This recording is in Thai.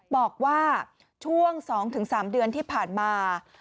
บอกว่าช่วง๒๓เดือนที่ผ่านมา